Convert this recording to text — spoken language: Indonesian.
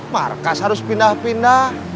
markas harus pindah pindah